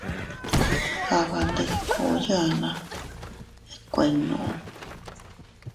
Aaban ndikuu yaanna ikuuinnu.